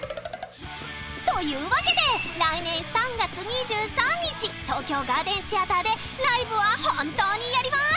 というわけで来年３月２３日東京ガーデンシアターでライブは本当にやります！